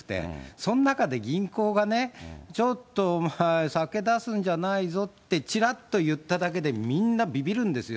その中で、銀行がね、ちょっと酒出すんじゃないぞって、ちらっと言っただけで、みんなびびるんですよ。